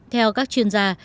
theo các chuyên gia